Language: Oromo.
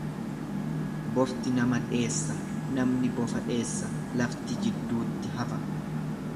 Bofti nama dheessa namni bofa dheessa, lafti jidduutti hafa.